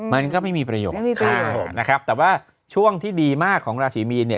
มันก็ไม่มีประโยคแต่ว่าช่วงที่ดีมากของราศีมีน